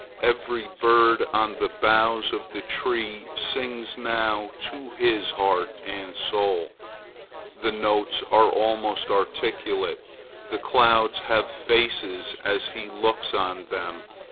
Every bird on the boughs of the tree sings now to his heart and soul. The notes are almost articulate. The clouds have faces as he looks on them.